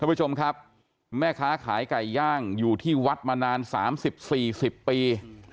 ผู้ชมครับแม่ค้าขายไก่ย่างอยู่ที่วัดมานาน๓๐๔๐ปี